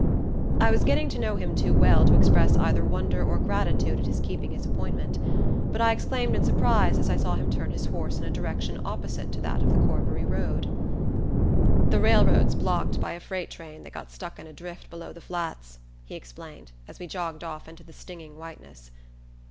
I was getting to know him too well to express either wonder or gratitude at his keeping his appointment; but I exclaimed in surprise as I saw him turn his horse in a direction opposite to that of the Corbury road. "The railroad's blocked by a freight train that got stuck in a drift below the Flats," he explained, as we jogged off into the stinging whiteness.